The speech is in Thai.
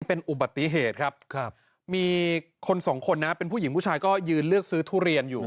เป็นอุบัติเหตุครับมีคนสองคนนะเป็นผู้หญิงผู้ชายก็ยืนเลือกซื้อทุเรียนอยู่